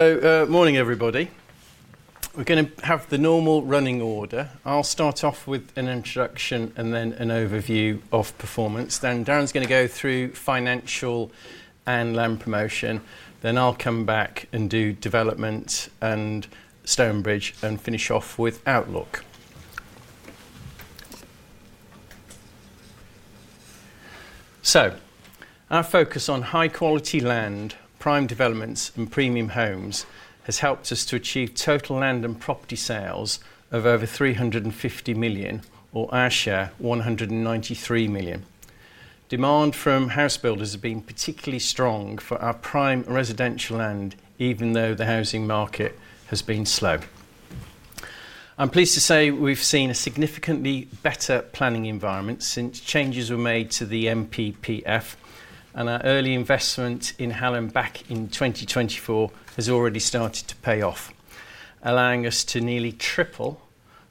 Morning, everybody. We're gonna have the normal running order. I'll start off with an introduction and then an overview of performance. Darren's gonna go through financial and land promotion. I'll come back and do development and Stonebridge, and finish off with outlook. Our focus on high-quality land, prime developments, and premium homes has helped us to achieve total land and property sales of over 350 million, or our share 193 million. Demand from house builders have been particularly strong for our prime residential land, even though the housing market has been slow. I'm pleased to say we've seen a significantly better planning environment since changes were made to the NPPF, and our early investment in Hallam back in 2024 has already started to pay off, allowing us to nearly triple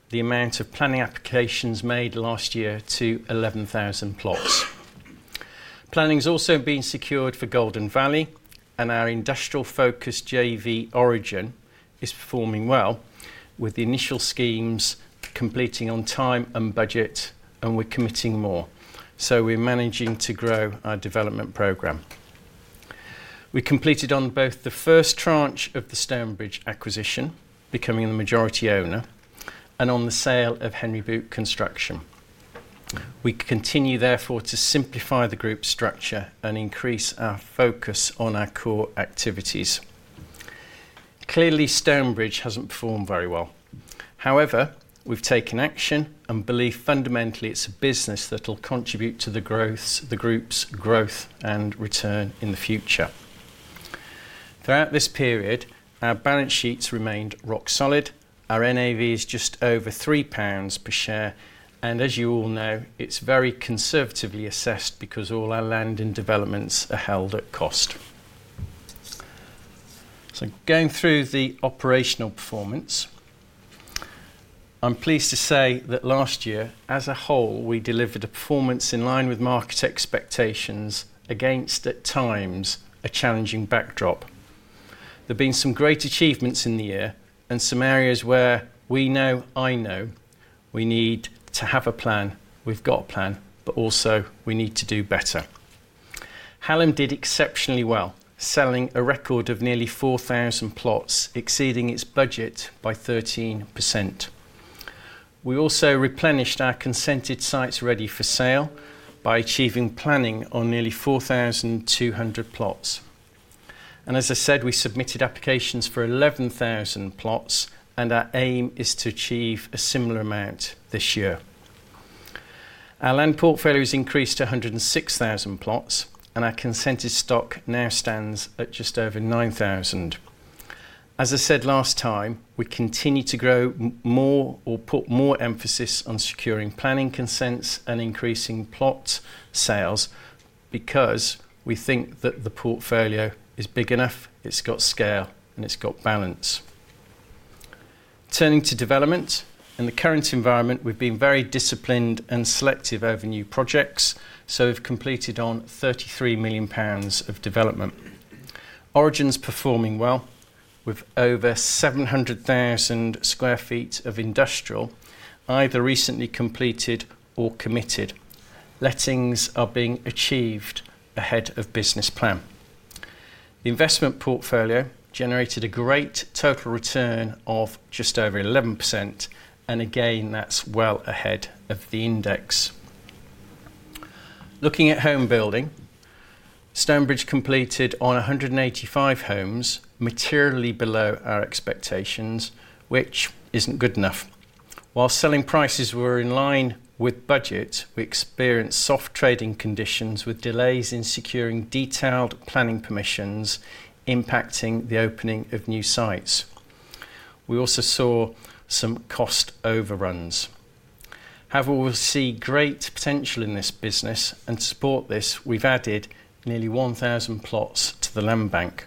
the amount of planning applications made last year to 11,000 plots. Planning's also been secured for Golden Valley, and our industrial-focused JV, Origin, is performing well, with the initial schemes completing on time and budget, and we're committing more. We're managing to grow our development program. We completed on both the first tranche of the Stonebridge acquisition, becoming the majority owner, and on the sale of Henry Boot Construction. We continue therefore to simplify the group's structure and increase our focus on our core activities. Clearly, Stonebridge hasn't performed very well. However, we've taken action and believe fundamentally it's a business that'll contribute to the growth, the group's growth and return in the future. Throughout this period, our balance sheets remained rock solid. Our NAV is just over 3 pounds per share, and as you all know, it's very conservatively assessed because all our land and developments are held at cost. Going through the operational performance, I'm pleased to say that last year, as a whole, we delivered a performance in line with market expectations against, at times, a challenging backdrop. There've been some great achievements in the year and some areas where we know, I know, we need to have a plan. We've got a plan, but also we need to do better. Hallam did exceptionally well, selling a record of nearly 4,000 plots, exceeding its budget by 13%. We also replenished our consented sites ready for sale by achieving planning on nearly 4,200 plots. As I said, we submitted applications for 11,000 plots, and our aim is to achieve a similar amount this year. Our land portfolio has increased to 106,000 plots, and our consented stock now stands at just over 9,000. As I said last time, we continue to grow more or put more emphasis on securing planning consents and increasing plot sales because we think that the portfolio is big enough, it's got scale, and it's got balance. Turning to development. In the current environment, we've been very disciplined and selective over new projects, we've completed on £33 million of development. Origin's performing well with over 700,000 sq ft of industrial either recently completed or committed. Lettings are being achieved ahead of business plan. The investment portfolio generated a great total return of just over 11%, and again, that's well ahead of the index. Looking at home building, Stonebridge completed on 185 homes, materially below our expectations, which isn't good enough. While selling prices were in line with budget, we experienced soft trading conditions with delays in securing detailed planning permissions impacting the opening of new sites. We also saw some cost overruns. However, we see great potential in this business, and to support this, we've added nearly 1,000 plots to the land bank.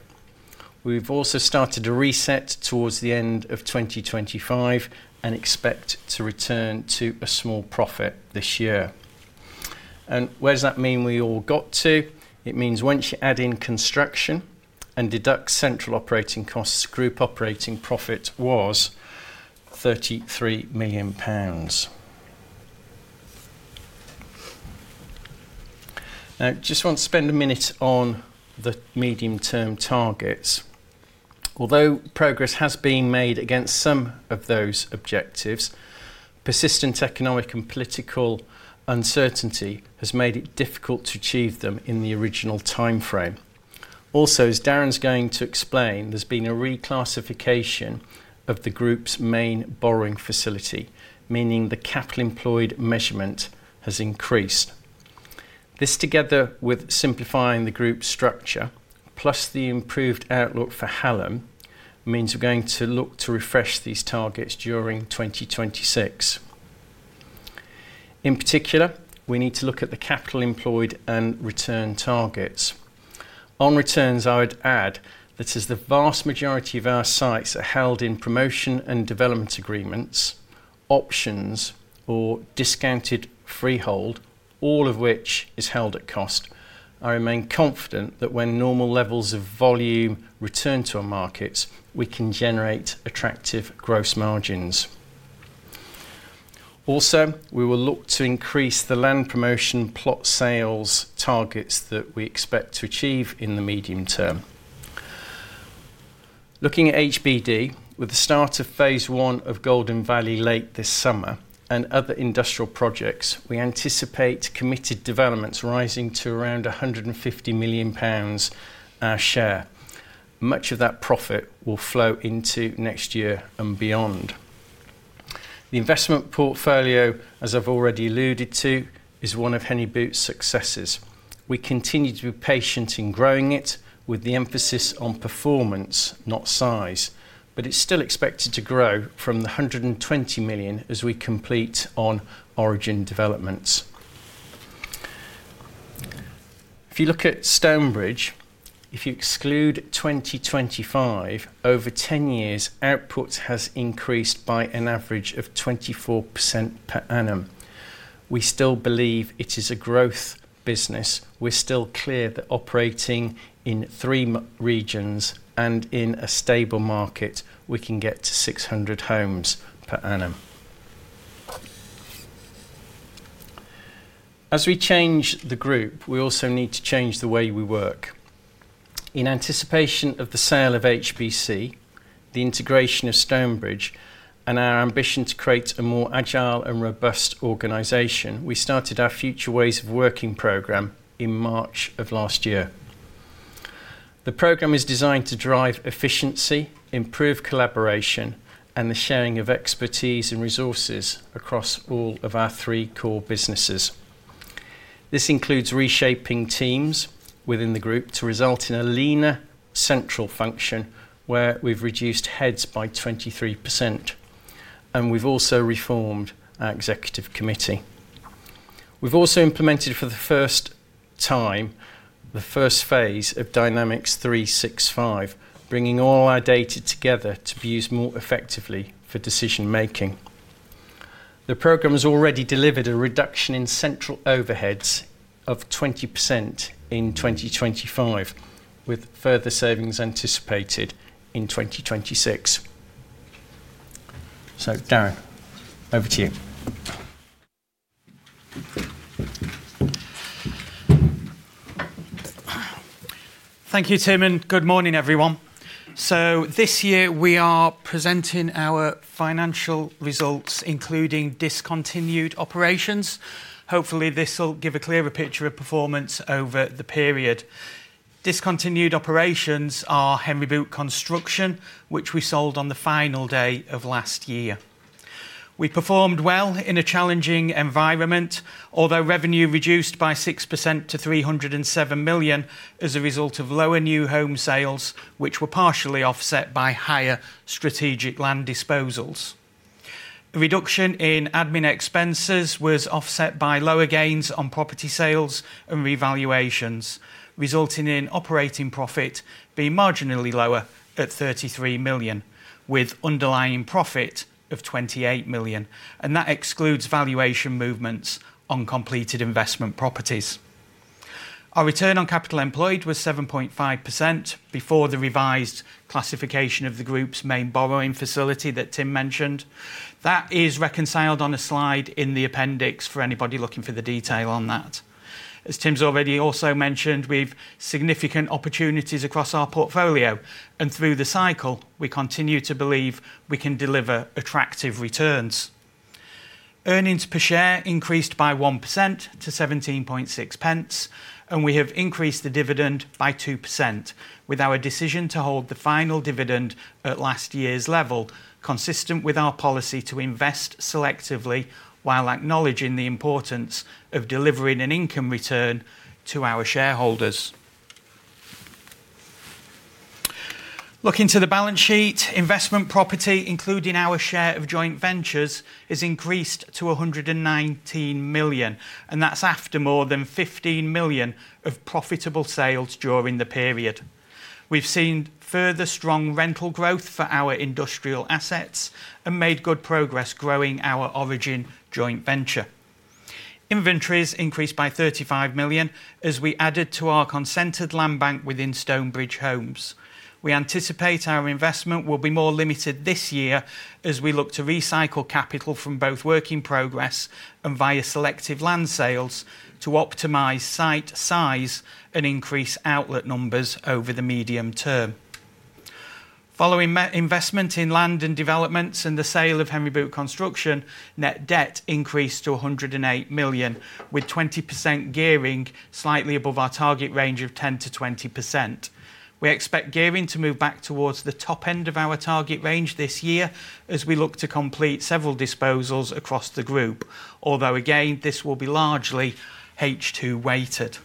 We've also started a reset towards the end of 2025 and expect to return to a small profit this year. Where does that mean we all got to? It means once you add in construction and deduct central operating costs, group operating profit was GBP 33 million. Now, I just want to spend a minute on the medium-term targets. Although progress has been made against some of those objectives, persistent economic and political uncertainty has made it difficult to achieve them in the original timeframe. Also, as Darren's going to explain, there's been a reclassification of the group's main borrowing facility, meaning the capital employed measurement has increased. This, together with simplifying the group's structure, plus the improved outlook for Hallam, means we're going to look to refresh these targets during 2026. In particular, we need to look at the capital employed and return targets. On returns, I would add that as the vast majority of our sites are held in promotion and development agreements, options or discounted freehold, all of which is held at cost. I remain confident that when normal levels of volume return to our markets, we can generate attractive gross margins. Also, we will look to increase the land promotion plot sales targets that we expect to achieve in the medium term. Looking at HBD, with the start of phase one of Golden Valley late this summer and other industrial projects, we anticipate committed developments rising to around 150 million pounds our share. Much of that profit will flow into next year and beyond. The investment portfolio, as I've already alluded to, is one of Henry Boot's successes. We continue to be patient in growing it with the emphasis on performance, not size. It's still expected to grow from the 120 million as we complete on Origin developments. If you look at Stonebridge, if you exclude 2025, over 10 years, output has increased by an average of 24% per annum. We still believe it is a growth business. We're still clear that operating in three regions and in a stable market, we can get to 600 homes per annum. As we change the group, we also need to change the way we work. In anticipation of the sale of HBC, the integration of Stonebridge, and our ambition to create a more agile and robust organization, we started our Future Ways of Working program in March of last year. The program is designed to drive efficiency, improve collaboration, and the sharing of expertise and resources across all of our three core businesses. This includes reshaping teams within the group to result in a leaner central function where we've reduced heads by 23%, and we've also reformed our Executive Committee. We've also implemented for the first time, the first phase of Dynamics 365, bringing all our data together to be used more effectively for decision-making. The program has already delivered a reduction in central overheads of 20% in 2025, with further savings anticipated in 2026. Darren, over to you. Thank you, Tim, and good morning, everyone. This year we are presenting our financial results, including discontinued operations. Hopefully, this will give a clearer picture of performance over the period. Discontinued operations are Henry Boot Construction, which we sold on the final day of last year. We performed well in a challenging environment, although revenue reduced by 6% to 307 million as a result of lower new home sales, which were partially offset by higher strategic land disposals. A reduction in admin expenses was offset by lower gains on property sales and revaluations, resulting in operating profit being marginally lower at 33 million, with underlying profit of 28 million, and that excludes valuation movements on completed investment properties. Our return on capital employed was 7.5% before the revised classification of the group's main borrowing facility that Tim mentioned. That is reconciled on a slide in the appendix for anybody looking for the detail on that. As Tim's already also mentioned, we've significant opportunities across our portfolio and through the cycle, we continue to believe we can deliver attractive returns. Earnings per share increased by 1% to 17.6 pence, and we have increased the dividend by 2% with our decision to hold the final dividend at last year's level, consistent with our policy to invest selectively while acknowledging the importance of delivering an income return to our shareholders. Looking to the balance sheet, investment property, including our share of joint ventures, has increased to 119 million, and that's after more than 15 million of profitable sales during the period. We've seen further strong rental growth for our industrial assets and made good progress growing our Origin joint venture. Inventories increased by 35 million as we added to our consented land bank within Stonebridge Homes. We anticipate our investment will be more limited this year as we look to recycle capital from both work in progress and via selective land sales to optimize site size and increase outlet numbers over the medium term. Following investment in land and developments and the sale of Henry Boot Construction, net debt increased to 108 million, with 20% gearing slightly above our target range of 10%-20%. We expect gearing to move back towards the top end of our target range this year as we look to complete several disposals across the group. Although, again, this will be largely H2 weighted.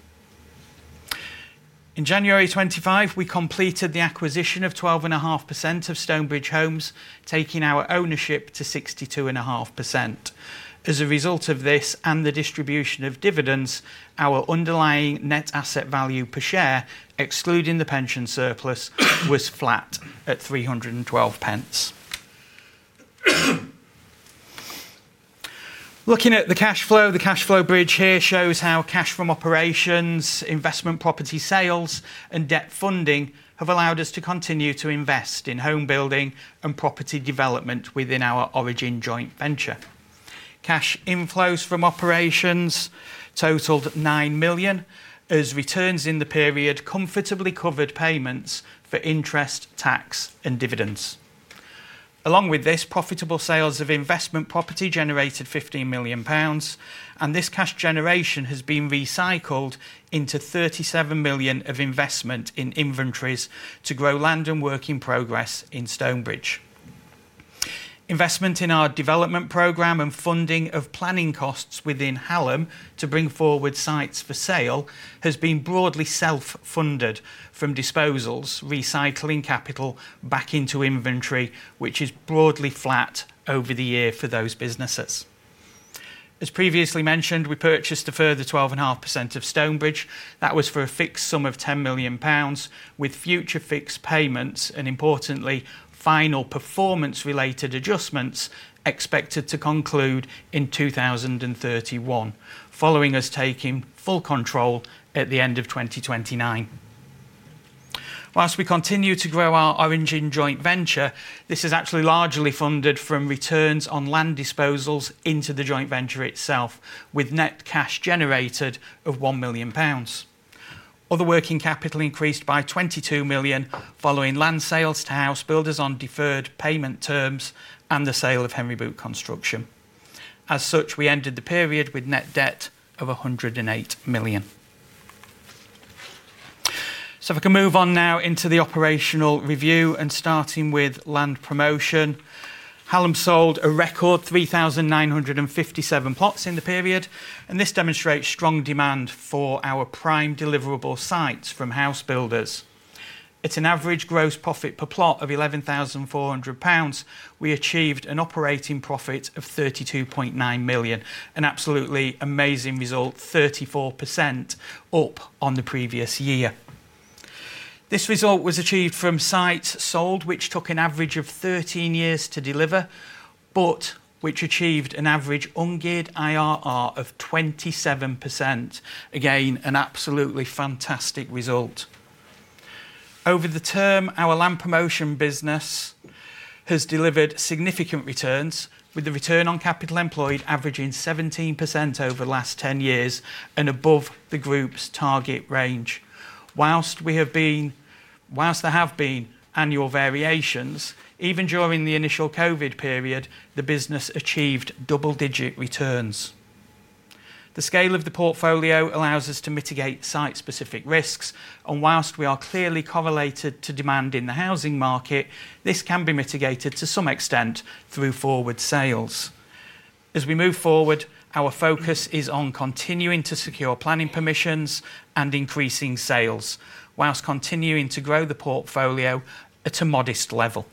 In January 2025, we completed the acquisition of 12.5% of Stonebridge Homes, taking our ownership to 62.5%. As a result of this and the distribution of dividends, our underlying net asset value per share, excluding the pension surplus, was flat at 312 pence. Looking at the cash flow, the cash flow bridge here shows how cash from operations, investment property sales, and debt funding have allowed us to continue to invest in home building and property development within our Origin joint venture. Cash inflows from operations totaled 9 million as returns in the period comfortably covered payments for interest, tax, and dividends. Along with this, profitable sales of investment property generated 15 million pounds, and this cash generation has been recycled into 37 million of investment in inventories to grow land and work in progress in Stonebridge. Investment in our development program and funding of planning costs within Hallam to bring forward sites for sale has been broadly self-funded from disposals, recycling capital back into inventory, which is broadly flat over the year for those businesses. As previously mentioned, we purchased a further 12.5% of Stonebridge. That was for a fixed sum of 10 million pounds with future fixed payments and, importantly, final performance-related adjustments expected to conclude in 2031, following us taking full control at the end of 2029. While we continue to grow our Origin joint venture, this is actually largely funded from returns on land disposals into the joint venture itself, with net cash generated of 1 million pounds. Other working capital increased by 22 million following land sales to house builders on deferred payment terms and the sale of Henry Boot Construction. As such, we ended the period with net debt of 108 million. If I can move on now into the operational review and starting with land promotion. Hallam sold a record 3,957 plots in the period, and this demonstrates strong demand for our prime deliverable sites from house builders. At an average gross profit per plot of 11,400 pounds, we achieved an operating profit of 32.9 million. An absolutely amazing result, 34% up on the previous year. This result was achieved from sites sold which took an average of 13 years to deliver, but which achieved an average ungeared IRR of 27%. Again, an absolutely fantastic result. Over the term, our land promotion business has delivered significant returns with the return on capital employed averaging 17% over the last 10 years and above the group's target range. While there have been annual variations, even during the initial COVID period, the business achieved double-digit returns. The scale of the portfolio allows us to mitigate site-specific risks, and while we are clearly correlated to demand in the housing market, this can be mitigated to some extent through forward sales. As we move forward, our focus is on continuing to secure planning permissions and increasing sales while continuing to grow the portfolio at a modest level.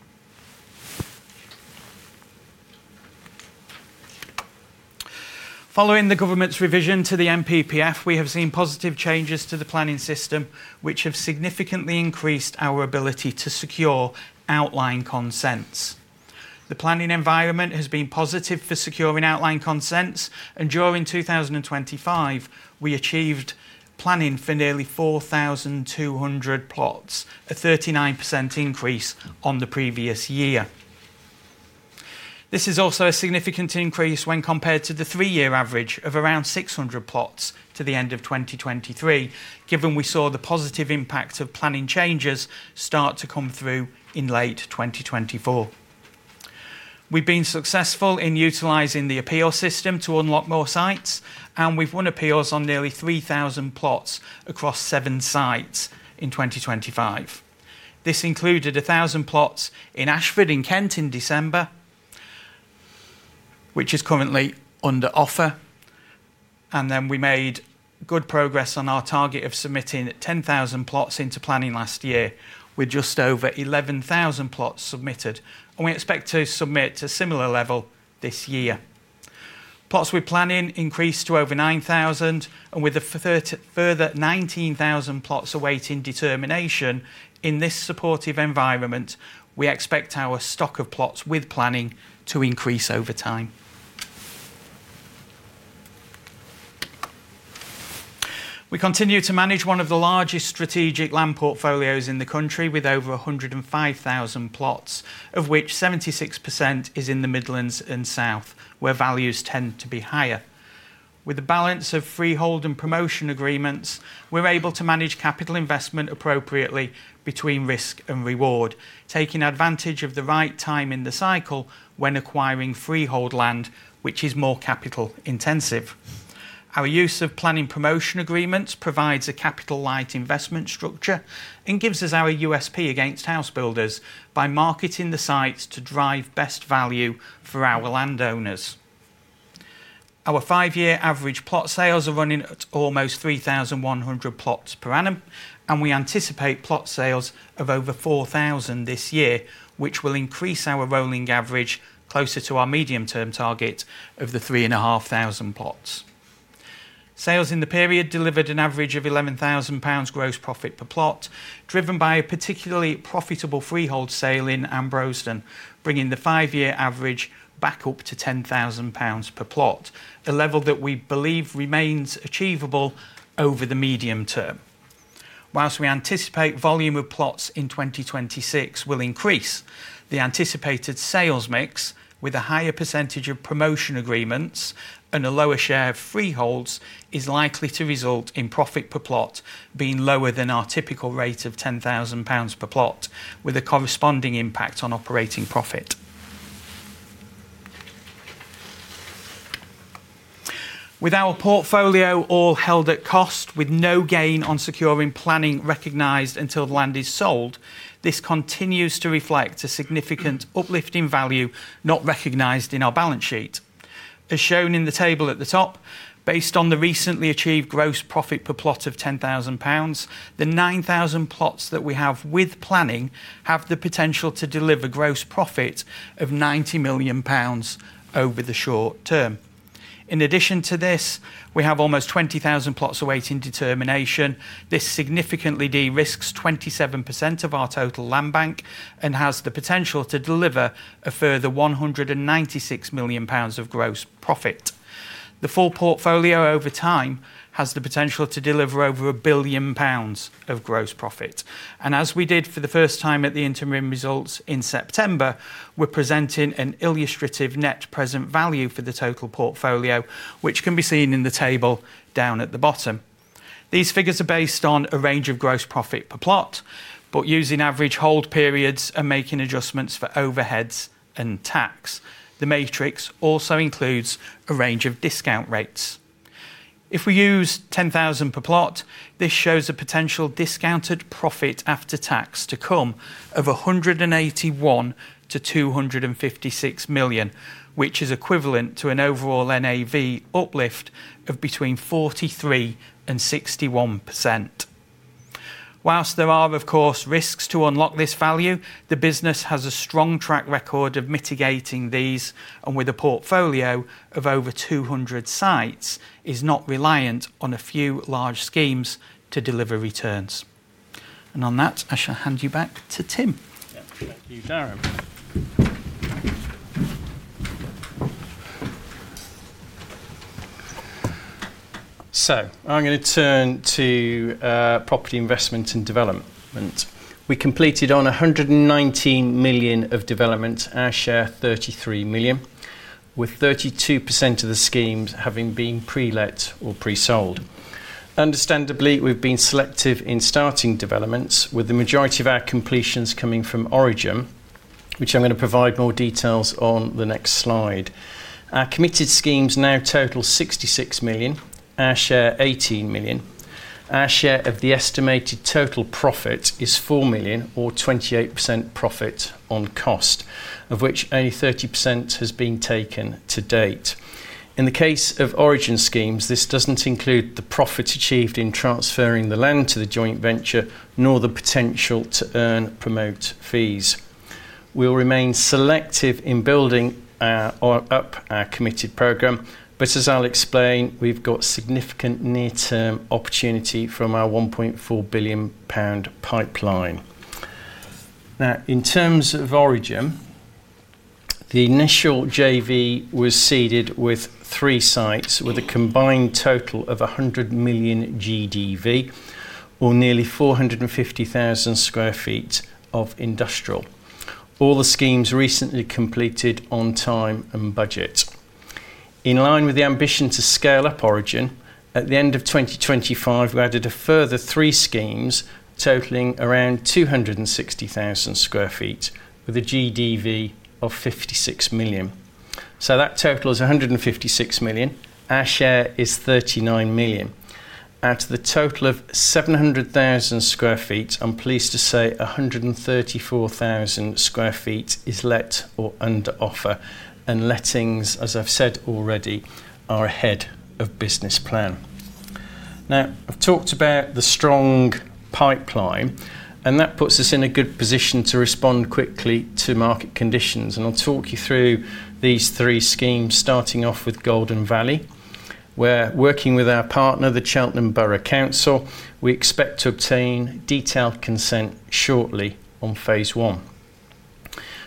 Following the government's revision to the NPPF, we have seen positive changes to the planning system, which have significantly increased our ability to secure outline consents. The planning environment has been positive for securing outline consents, and during 2025, we achieved planning for nearly 4,200 plots, a 39% increase on the previous year. This is also a significant increase when compared to the 3-year average of around 600 plots to the end of 2023, given we saw the positive impact of planning changes start to come through in late 2024. We've been successful in utilizing the appeal system to unlock more sites, and we've won appeals on nearly 3,000 plots across 7 sites in 2025. This included 1,000 plots in Ashford, in Kent, in December, which is currently under offer. We made good progress on our target of submitting 10,000 plots into planning last year, with just over 11,000 plots submitted. We expect to submit a similar level this year. Plots with planning increased to over 9,000, and with a further 19,000 plots awaiting determination in this supportive environment, we expect our stock of plots with planning to increase over time. We continue to manage one of the largest strategic land portfolios in the country with over 105,000 plots, of which 76% is in the Midlands and South, where values tend to be higher. With the balance of freehold and promotion agreements, we're able to manage capital investment appropriately between risk and reward, taking advantage of the right time in the cycle when acquiring freehold land, which is more capital intensive. Our use of planning promotion agreements provides a capital-light investment structure and gives us our USP against house builders by marketing the sites to drive best value for our landowners. Our five-year average plot sales are running at almost 3,100 plots per annum, and we anticipate plot sales of over 4,000 this year, which will increase our rolling average closer to our medium-term target of 3,500 plots. Sales in the period delivered an average of 11,000 pounds gross profit per plot, driven by a particularly profitable freehold sale in Ambrosden, bringing the five-year average back up to 10,000 pounds per plot, a level that we believe remains achievable over the medium term. While we anticipate volume of plots in 2026 will increase, the anticipated sales mix with a higher percentage of promotion agreements and a lower share of freeholds is likely to result in profit per plot being lower than our typical rate of 10,000 pounds per plot, with a corresponding impact on operating profit. With our portfolio all held at cost with no gain on securing planning recognized until the land is sold, this continues to reflect a significant uplift in value not recognized in our balance sheet. As shown in the table at the top, based on the recently achieved gross profit per plot of 10,000 pounds, the 9,000 plots that we have with planning have the potential to deliver gross profit of 90 million pounds over the short term. In addition to this, we have almost 20,000 plots awaiting determination. This significantly de-risks 27% of our total land bank and has the potential to deliver a further 196 million pounds of gross profit. The full portfolio over time has the potential to deliver over 1 billion pounds of gross profit. As we did for the first time at the interim results in September, we're presenting an illustrative net present value for the total portfolio, which can be seen in the table down at the bottom. These figures are based on a range of gross profit per plot, but using average hold periods and making adjustments for overheads and tax. The matrix also includes a range of discount rates. If we use 10,000 per plot, this shows a potential discounted profit after tax to come of 181 million-256 million, which is equivalent to an overall NAV uplift of between 43% and 61%. Whilst there are, of course, risks to unlock this value, the business has a strong track record of mitigating these, and with a portfolio of over 200 sites, is not reliant on a few large schemes to deliver returns. On that, I shall hand you back to Tim. Yeah. Thank you, Darren. I'm gonna turn to property investment and development. We completed on 119 million of development, our share 33 million, with 32% of the schemes having been pre-let or pre-sold. Understandably, we've been selective in starting developments, with the majority of our completions coming from Origin, which I'm gonna provide more details on the next slide. Our committed schemes now total 66 million, our share 18 million. Our share of the estimated total profit is 4 million or 28% profit on cost, of which 30% has been taken to date. In the case of Origin schemes, this doesn't include the profit achieved in transferring the land to the joint venture, nor the potential to earn promote fees. We'll remain selective in building up our committed program, but as I'll explain, we've got significant near-term opportunity from our 1.4 billion pound pipeline. Now, in terms of Origin, the initial JV was seeded with three sites with a combined total of 100 million GDV or nearly 450,000 sq ft of industrial. All the schemes recently completed on time and budget. In line with the ambition to scale up Origin, at the end of 2025, we added a further three schemes totaling around 260,000 sq ft with a GDV of 56 million. That total is 156 million. Our share is 39 million. Out of the total of 700,000 sq ft, I'm pleased to say 134,000 sq ft is let or under offer. Lettings, as I've said already, are ahead of business plan. Now, I've talked about the strong pipeline, and that puts us in a good position to respond quickly to market conditions. I'll talk you through these three schemes, starting off with Golden Valley. We're working with our partner, the Cheltenham Borough Council. We expect to obtain detailed consent shortly on phase one.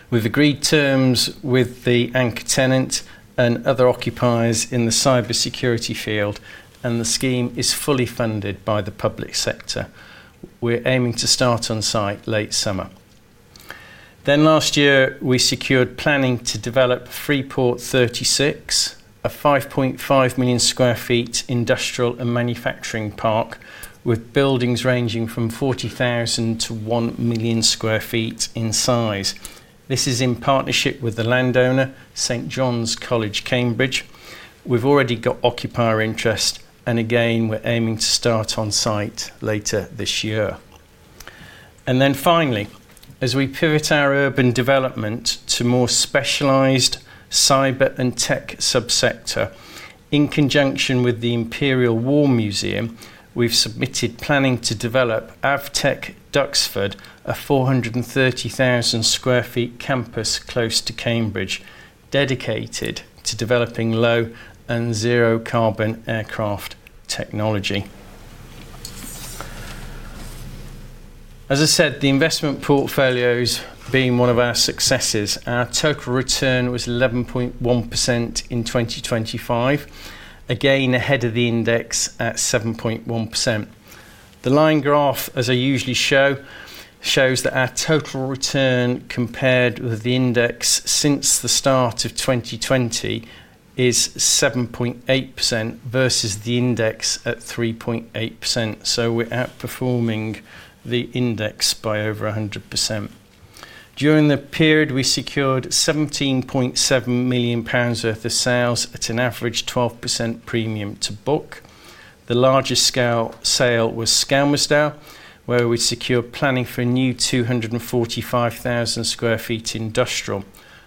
We've agreed terms with the anchor tenant and other occupiers in the cybersecurity field, and the scheme is fully funded by the public sector. We're aiming to start on site late summer. Last year, we secured planning to develop Freeport 36, a 5.5 million sq ft industrial and manufacturing park with buildings ranging from 40,000 to 1 million sq ft in size. This is in partnership with the landowner, St. John's College, Cambridge. We've already got occupier interest, and again, we're aiming to start on site later this year. Then finally, as we pivot our urban development to more specialized cyber and tech subsector, in conjunction with the Imperial War Museum, we've submitted planning to develop Duxford AvTech, a 430,000 sq ft campus close to Cambridge, dedicated to developing low and zero carbon aircraft technology. As I said, the investment portfolio's been one of our successes. Our total return was 11.1% in 2025, again ahead of the index at 7.1%. The line graph, as I usually show, shows that our total return compared with the index since the start of 2020 is 7.8% versus the index at 3.8%. We're outperforming the index by over 100%. During the period, we secured 17.7 million pounds worth of sales at an average 12% premium to book. The largest scale sale was Scamous Down, where we secured planning for a new 245,000 sq ft industrial.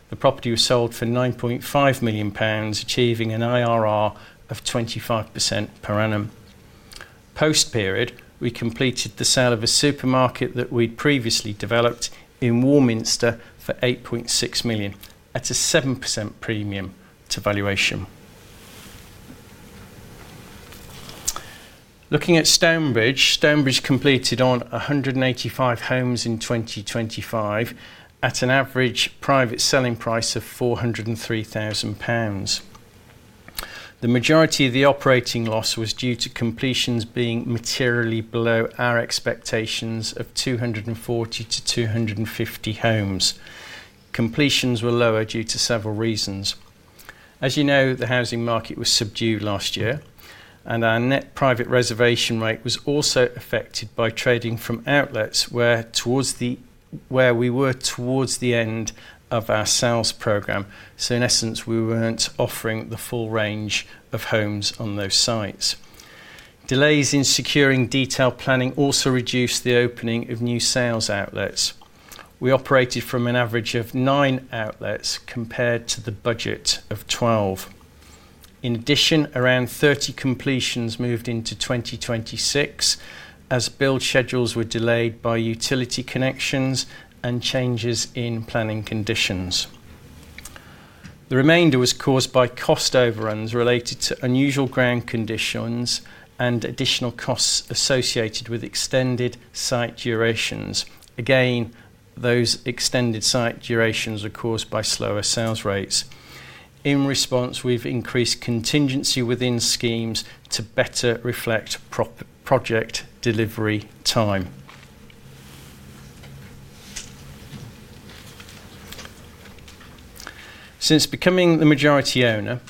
The property was sold for 9.5 million pounds, achieving an IRR of 25% per annum. Post period, we completed the sale of a supermarket that we'd previously developed in Warminster for 8.6 million at a 7% premium to valuation. Looking at Stonebridge. Stonebridge completed on 185 homes in 2025 at an average private selling price of 403,000 pounds. The majority of the operating loss was due to completions being materially below our expectations of 240-250 homes. Completions were lower due to several reasons. As you know, the housing market was subdued last year, and our net private reservation rate was also affected by trading from outlets where we were towards the end of our sales program. In essence, we weren't offering the full range of homes on those sites. Delays in securing detailed planning also reduced the opening of new sales outlets. We operated from an average of 9 outlets compared to the budget of 12. In addition, around 30 completions moved into 2026 as build schedules were delayed by utility connections and changes in planning conditions. The remainder was caused by cost overruns related to unusual ground conditions and additional costs associated with extended site durations. Again, those extended site durations were caused by slower sales rates. In response, we've increased contingency within schemes to better reflect per-project delivery time. Since becoming the majority owner,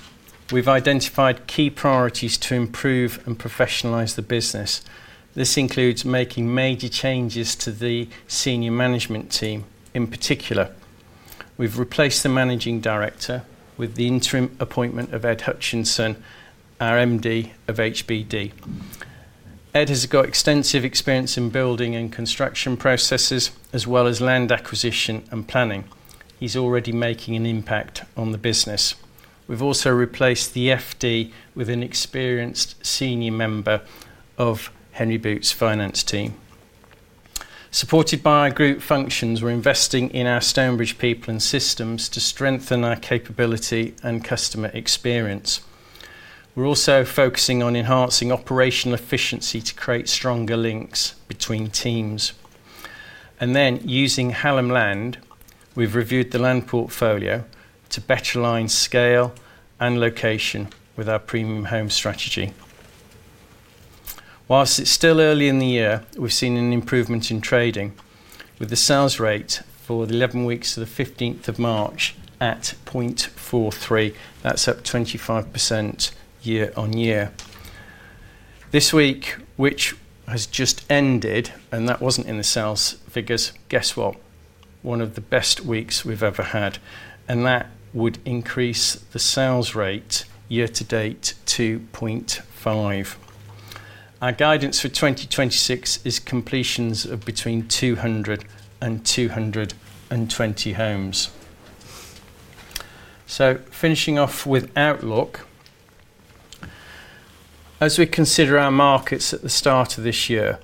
we've identified key priorities to improve and professionalize the business. This includes making major changes to the senior management team. In particular, we've replaced the managing director with the interim appointment of Ed Hutchinson, our MD of HBD. Ed has got extensive experience in building and construction processes, as well as land acquisition and planning. He's already making an impact on the business. We've also replaced the FD with an experienced senior member of Henry Boot's finance team. Supported by our group functions, we're investing in our Stonebridge people and systems to strengthen our capability and customer experience. We're also focusing on enhancing operational efficiency to create stronger links between teams. Using Hallam Land, we've reviewed the land portfolio to better align scale and location with our premium home strategy. While it's still early in the year, we've seen an improvement in trading with the sales rate for the 11 weeks to the 15th of March at 0.43. That's up 25% year-on-year. This week, which has just ended, and that wasn't in the sales figures, guess what? One of the best weeks we've ever had, and that would increase the sales rate year to date to 0.5. Our guidance for 2026 is completions of between 200-220 homes. Finishing off with outlook. As we consider our markets at the start of this year,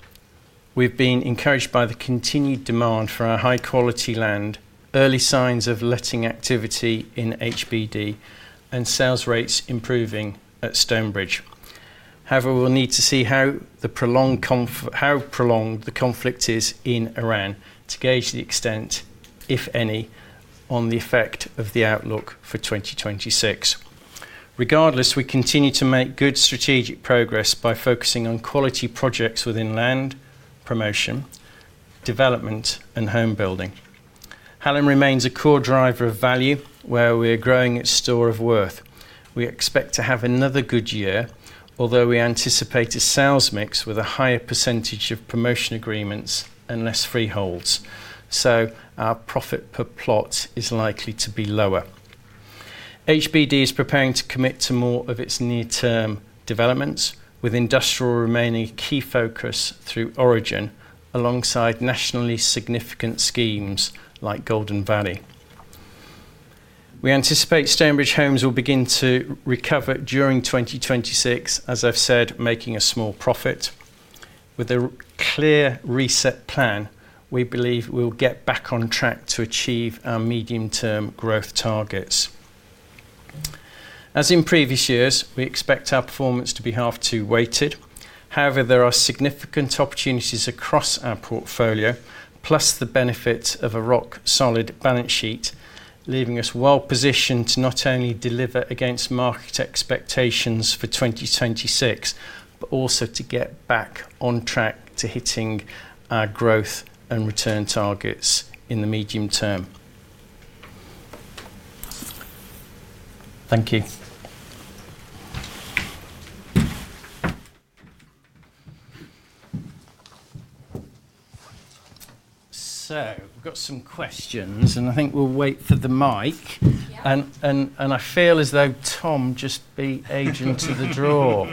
we've been encouraged by the continued demand for our high-quality land, early signs of letting activity in HBD, and sales rates improving at Stonebridge. However, we'll need to see how prolonged the conflict is in Iran to gauge the extent, if any, on the effect of the outlook for 2026. Regardless, we continue to make good strategic progress by focusing on quality projects within land promotion, development, and home building. Hallam remains a core driver of value where we are growing its store of worth. We expect to have another good year, although we anticipate a sales mix with a higher percentage of promotion agreements and less freeholds, so our profit per plot is likely to be lower. HBD is preparing to commit to more of its near-term developments, with industrial remaining a key focus through Origin alongside nationally significant schemes like Golden Valley. We anticipate Stonebridge Homes will begin to recover during 2026, as I've said, making a small profit. With a clear reset plan, we believe we'll get back on track to achieve our medium-term growth targets. As in previous years, we expect our performance to be H2 weighted. However, there are significant opportunities across our portfolio, plus the benefit of a rock-solid balance sheet, leaving us well-positioned to not only deliver against market expectations for 2026, but also to get back on track to hitting our growth and return targets in the medium term. Thank you. We've got some questions, and I think we'll wait for the mic. Yeah. I feel as though Tom just beat Adrian to the draw.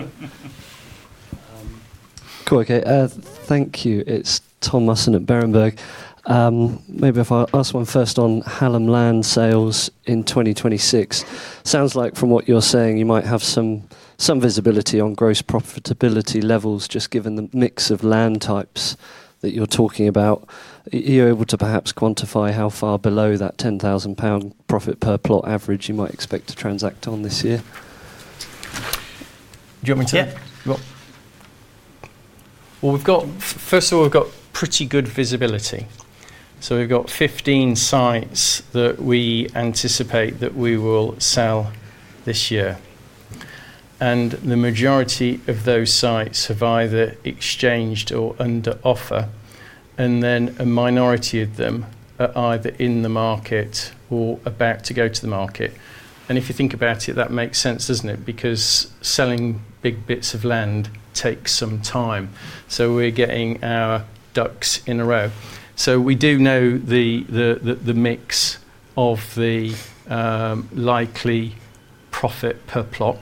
Thank you. It's Tom Musson at Berenberg. Maybe if I ask one first on Hallam Land sales in 2026. Sounds like from what you're saying, you might have some visibility on gross profitability levels, just given the mix of land types that you're talking about. Are you able to perhaps quantify how far below that 10,000 pound profit per plot average you might expect to transact on this year? Do you want me to- Yeah Well, first of all, we've got pretty good visibility. We've got 15 sites that we anticipate that we will sell this year. The majority of those sites have either exchanged or under offer, and then a minority of them are either in the market or about to go to the market. If you think about it, that makes sense, doesn't it? Because selling big bits of land takes some time. We're getting our ducks in a row. We do know the mix of the likely profit per plot,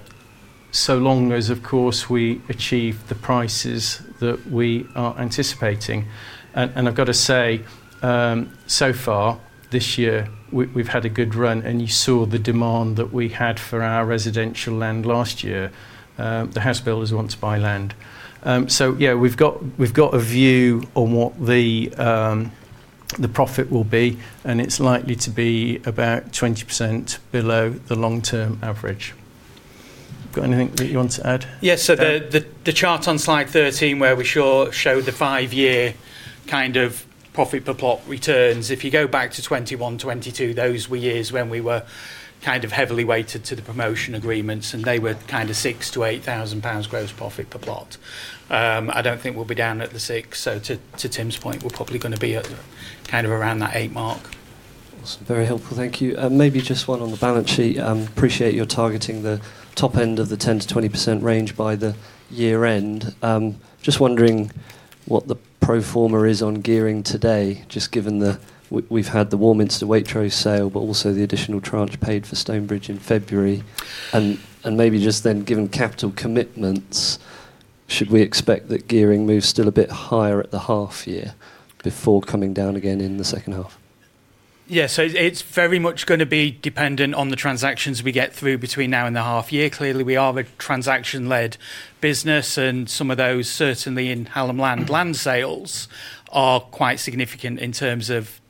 so long as, of course, we achieve the prices that we are anticipating. I've got to say, so far this year, we've had a good run, and you saw the demand that we had for our residential land last year. The house builders want to buy land. Yeah, we've got a view on what the profit will be, and it's likely to be about 20% below the long-term average. Got anything that you want to add? Yes. The chart on slide 13, where we showed the five-year kind of profit per plot returns, if you go back to 2021, 2022, those were years when we were kind of heavily weighted to the promotion agreements, and they were kind of 6,000-8,000 pounds gross profit per plot. I don't think we'll be down at the 6. To Tim's point, we're probably gonna be at kind of around that 8 mark. Awesome. Very helpful. Thank you. Maybe just one on the balance sheet. Appreciate you're targeting the top end of the 10%-20% range by the year end. Just wondering what the pro forma is on gearing today, just given that we've had the Warminster Waitrose sale, but also the additional tranche paid for Stonebridge in February. Maybe just then, given capital commitments, should we expect that gearing moves still a bit higher at the half year before coming down again in the second half? Yeah. It's very much gonna be dependent on the transactions we get through between now and the half year. Clearly, we are the transaction-led business, and some of those, certainly in Hallam Land land sales, are quite significant in terms of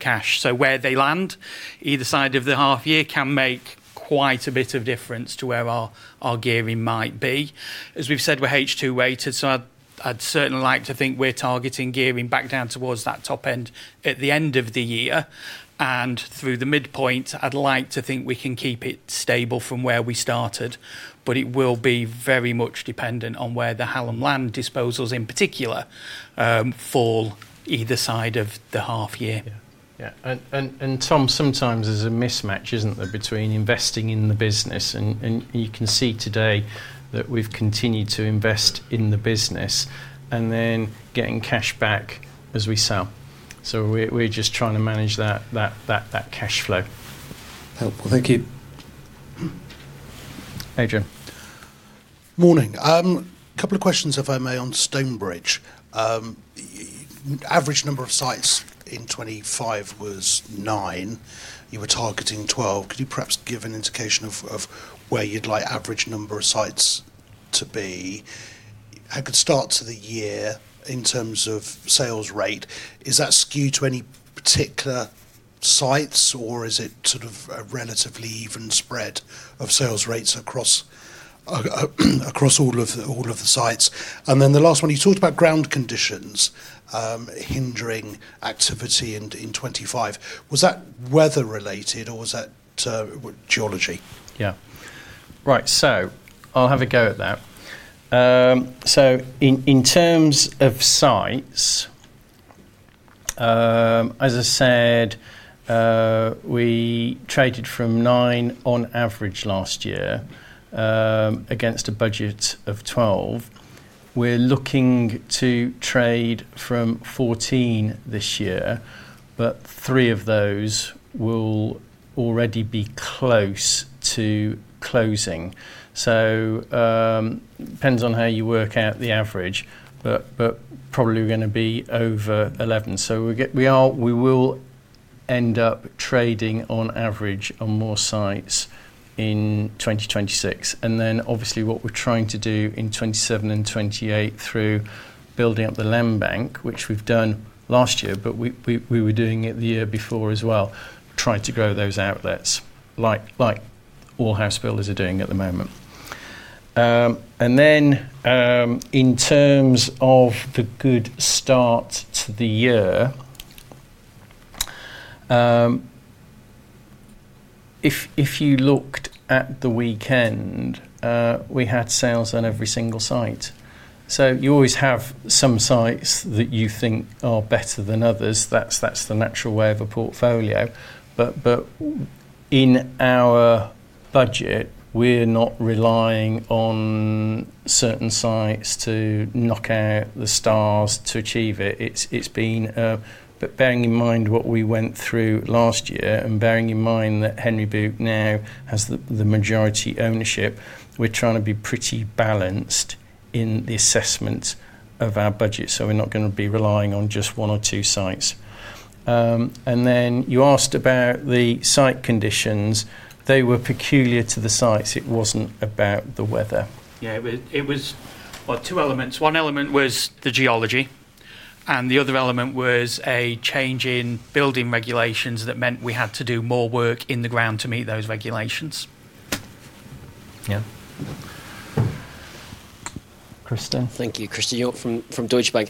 cash. Where they land either side of the half year can make quite a bit of difference to where our gearing might be. As we've said, we're H2-weighted, so I'd certainly like to think we're targeting gearing back down towards that top end at the end of the year. Through the midpoint, I'd like to think we can keep it stable from where we started, but it will be very much dependent on where the Hallam Land disposals, in particular, fall either side of the half year. Yeah. Yeah. Tom, sometimes there's a mismatch, isn't there, between investing in the business and you can see today that we've continued to invest in the business and then getting cash back as we sell. We're just trying to manage that cash flow. Helpful. Thank you. Adrian. Morning. A couple of questions, if I may, on Stonebridge. Average number of sites in 2025 was 9. You were targeting 12. Could you perhaps give an indication of where you'd like average number of sites to be? How good start to the year in terms of sales rate, is that skewed to any particular sites, or is it sort of a relatively even spread of sales rates across all of the sites? Then the last one, you talked about ground conditions hindering activity in 2025. Was that weather related or was that geology? Yeah. Right. I'll have a go at that. In terms of sites, as I said, we traded from 9 on average last year against a budget of 12. We're looking to trade from 14 this year, but 3 of those will already be close to closing. It depends on how you work out the average, but probably gonna be over 11. We will end up trading on average on more sites in 2026. Then obviously what we're trying to do in 2027 and 2028 through building up the land bank, which we've done last year, but we were doing it the year before as well, trying to grow those outlets like all house builders are doing at the moment. In terms of the good start to the year, if you looked at the weekend, we had sales on every single site. You always have some sites that you think are better than others. That's the natural way of a portfolio. In our budget, we're not relying on certain sites to knock out the stars to achieve it. It's been... Bearing in mind what we went through last year and bearing in mind that Henry Boot now has the majority ownership, we're trying to be pretty balanced in the assessment of our budget, so we're not gonna be relying on just one or two sites. Then you asked about the site conditions. They were peculiar to the sites. It wasn't about the weather. Yeah. It was, well, two elements. One element was the geology, and the other element was a change in building regulations that meant we had to do more work in the ground to meet those regulations. Yeah. Christian. Thank you. Christen Hjorth from Deutsche Bank.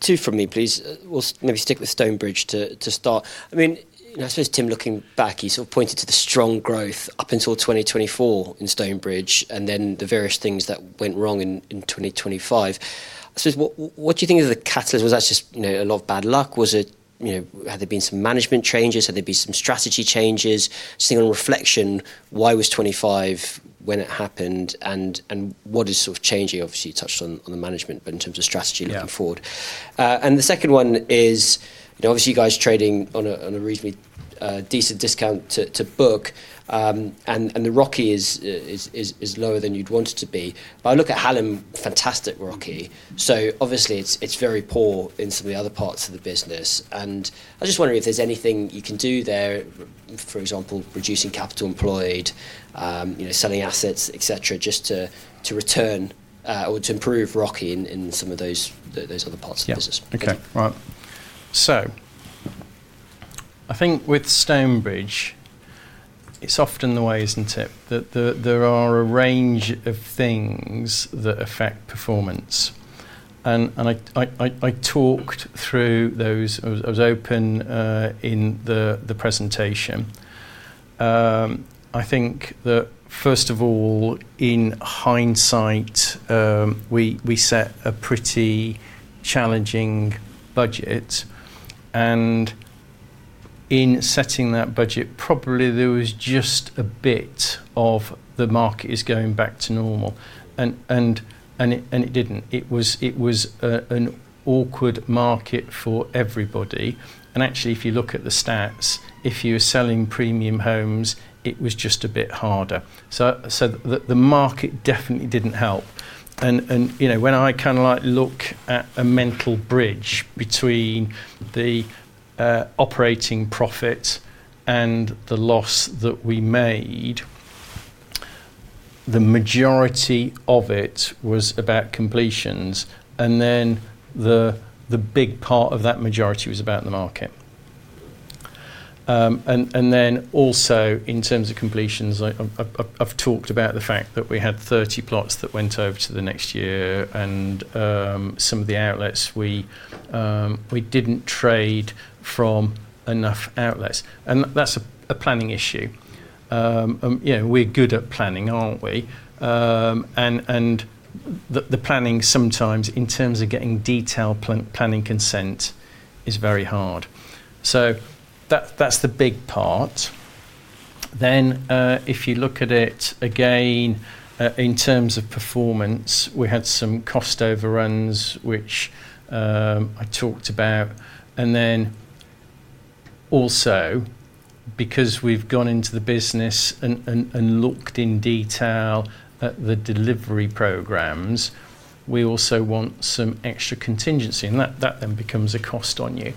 Two from me, please. We'll maybe stick with Stonebridge to start. I mean, you know, I suppose, Tim, looking back, you sort of pointed to the strong growth up until 2024 in Stonebridge and then the various things that went wrong in 2025. What do you think is the catalyst? Was that just, you know, a lot of bad luck? Was it, you know, had there been some management changes? Had there been some strategy changes? Just thinking on reflection, why was 25 when it happened and what is sort of changing? Obviously, you touched on the management, but in terms of strategy looking forward. Yeah. The second one is, you know, obviously you guys are trading on a reasonably decent discount to book, and the ROCE is lower than you'd want it to be. I look at Hallam, fantastic ROCE. Obviously it's very poor in some of the other parts of the business. I'm just wondering if there's anything you can do there, for example, reducing capital employed, you know, selling assets, et cetera, just to return or to improve ROCE in some of those other parts of the business. Yeah. Okay. Right. I think with Stonebridge, it's often the way, isn't it, that there are a range of things that affect performance and I talked through those. I was open in the presentation. I think that first of all, in hindsight, we set a pretty challenging budget, and in setting that budget, probably there was just a bit of the market is going back to normal and it didn't. It was an awkward market for everybody. Actually, if you look at the stats, if you were selling premium homes, it was just a bit harder. The market definitely didn't help. You know, when I kinda like look at a mental bridge between the operating profit and the loss that we made, the majority of it was about completions. The big part of that majority was about the market. In terms of completions, I've talked about the fact that we had 30 plots that went over to the next year and some of the outlets we didn't trade from enough outlets, and that's a planning issue. You know, we're good at planning, aren't we? The planning sometimes in terms of getting detailed planning consent is very hard. That's the big part. If you look at it again in terms of performance, we had some cost overruns, which I talked about. Then also because we've gone into the business and looked in detail at the delivery programs, we also want some extra contingency, and that then becomes a cost on you.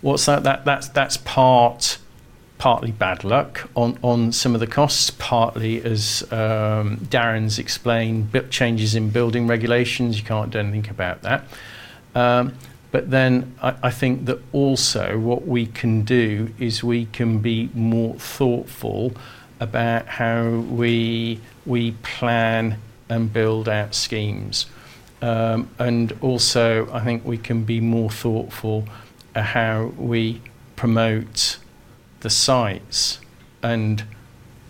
What's that? That's partly bad luck on some of the costs, partly as Darren's explained, changes in building regulations. You can't do anything about that. I think that also what we can do is we can be more thoughtful about how we plan and build out schemes. I think we can be more thoughtful how we promote the sites and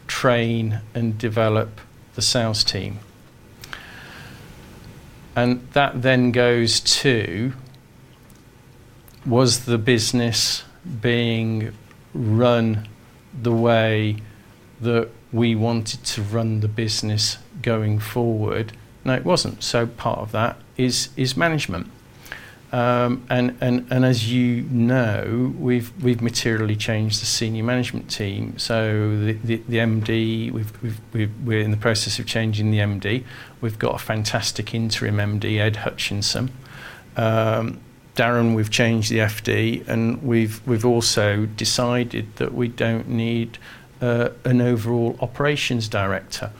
train and develop the sales team. That then goes to, was the business being run the way that we wanted to run the business going forward? No, it wasn't. Part of that is management. As you know, we've materially changed the senior management team. The MD, we're in the process of changing the MD. We've got a fantastic interim MD, Ed Hutchinson. Darren, we've changed the FD, and we've also decided that we don't need an overall operations director.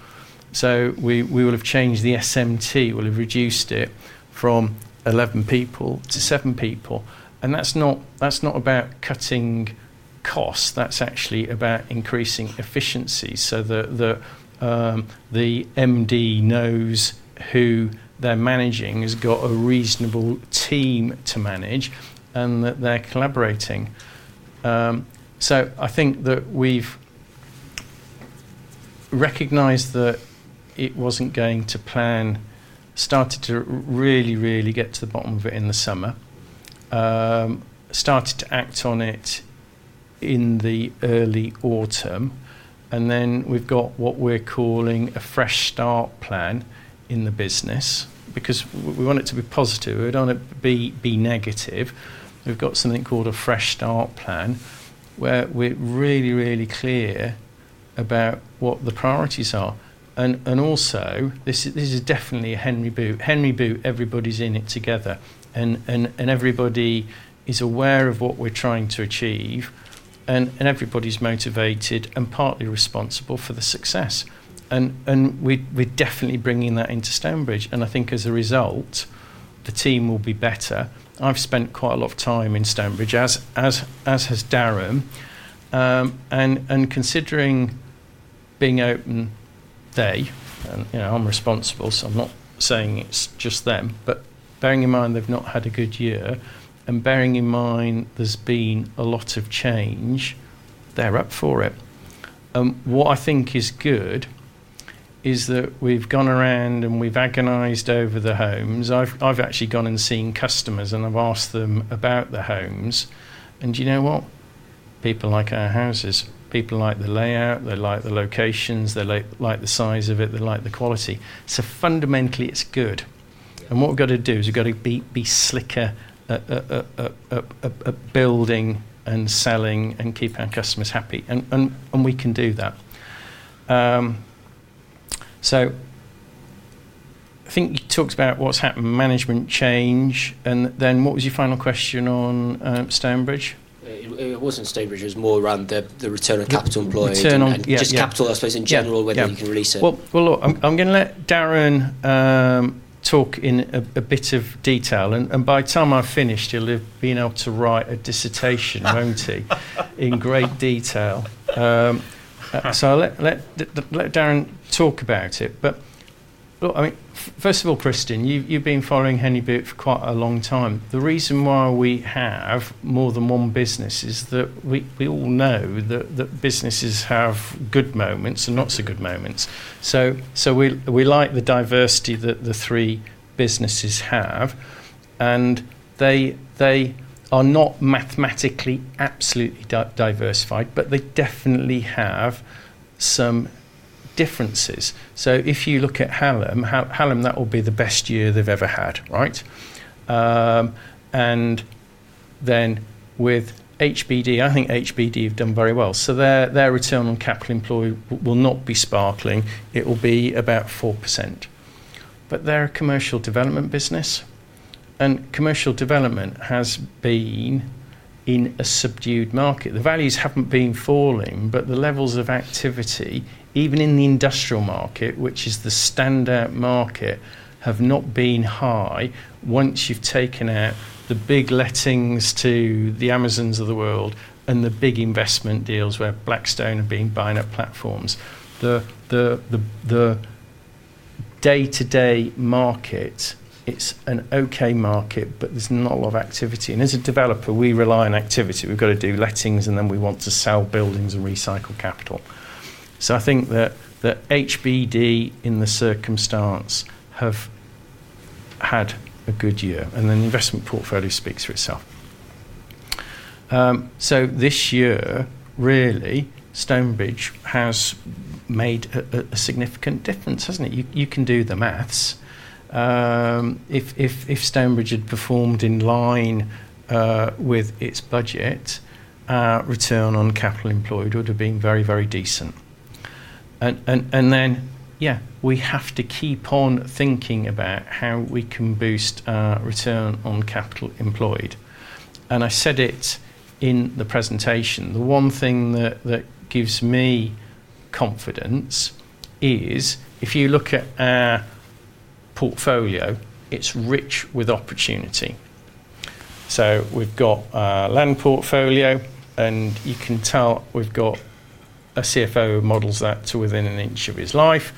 We will have changed the SMT. We'll have reduced it from 11 people to seven people. That's not about cutting costs. That's actually about increasing efficiency so that the MD knows who they're managing, has got a reasonable team to manage, and that they're collaborating. I think that we've recognized that it wasn't going to plan, started to really get to the bottom of it in the summer. Started to act on it in the early autumn, and then we've got what we're calling a fresh start plan in the business because we want it to be positive. We don't want it be negative. We've got something called a fresh start plan, where we're really, really clear about what the priorities are, and also this is definitely a Henry Boot. Henry Boot, everybody's in it together, and everybody is aware of what we're trying to achieve, and everybody's motivated and partly responsible for the success. We're definitely bringing that into Stonebridge, and I think as a result, the team will be better. I've spent quite a lot of time in Stonebridge as has Darren, and considering being open today, you know, I'm responsible, so I'm not saying it's just them, but bearing in mind they've not had a good year, and bearing in mind there's been a lot of change, they're up for it. What I think is good is that we've gone around, and we've agonized over the homes. I've actually gone and seen customers, and I've asked them about the homes. Do you know what? People like our houses. People like the layout. They like the locations. They like the size of it. They like the quality. So fundamentally, it's good. Yeah. What we've got to do is we've got to be slicker building and selling and keeping our customers happy. We can do that. I think you talked about what's happened, management change, and then what was your final question on Stonebridge? It wasn't Stonebridge. It was more around the return on capital employed. Yeah, yeah. Just capital, I suppose, in general. Yeah, yeah. Whether you can release it. Well, look, I'm gonna let Darren talk in a bit of detail and by the time I've finished, he'll have been able to write a dissertation, won't he? In great detail. Let Darren talk about it. Look, I mean, first of all, Christen, you've been following Henry Boot for quite a long time. The reason why we have more than one business is that we all know that businesses have good moments and not so good moments. We like the diversity that the three businesses have, and they are not mathematically absolutely diversified, but they definitely have some differences. If you look at Hallam, that will be the best year they've ever had, right? And then with HBD, I think HBD have done very well. Their return on capital employed will not be sparkling. It will be about 4%. They're a commercial development business, and commercial development has been in a subdued market. The values haven't been falling, but the levels of activity, even in the industrial market, which is the standout market, have not been high once you've taken out the big lettings to the Amazons of the world and the big investment deals where Blackstone have been buying up platforms. The day-to-day market, it's an okay market, but there's not a lot of activity. As a developer, we rely on activity. We've got to do lettings, and then we want to sell buildings and recycle capital. I think that HBD in the circumstance have had a good year, and then the investment portfolio speaks for itself. This year, really, Stonebridge has made a significant difference, hasn't it? You can do the math. If Stonebridge had performed in line with its budget, our return on capital employed would have been very, very decent. Then, yeah, we have to keep on thinking about how we can boost our return on capital employed. I said it in the presentation. The one thing that gives me confidence is if you look at our portfolio, it's rich with opportunity. We've got our land portfolio, and you can tell we've got a CFO who models that to within an inch of his life.